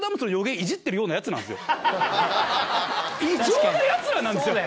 異常なヤツらなんですよ。